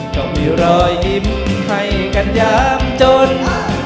ก็มีรอยยิ้มให้กันยามจน